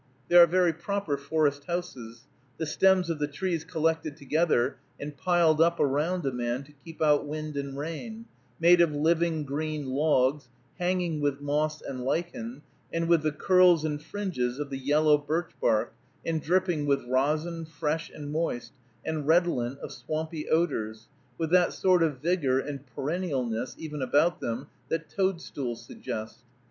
They are very proper forest houses, the stems of the trees collected together and piled up around a man to keep out wind and rain, made of living green logs, hanging with moss and lichen, and with the curls and fringes of the yellow birch bark, and dripping with resin, fresh and moist, and redolent of swampy odors, with that sort of vigor and perennialness even about them that toadstools suggest.